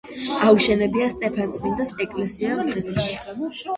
აუშენებია სტეფანწმინდის ეკლესია მცხეთაში.